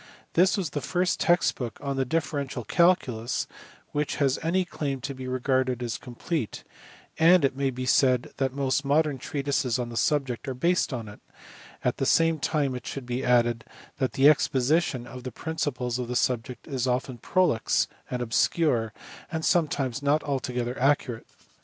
This is the first text book on the differential calculus which has any claim to be regarded as complete, and it may be said that most modern treatises on the subject are based on it ; at the same time it should be added that the exposition of the principles of the subject is often prolix and obscure, and sometimes not altogether accurate.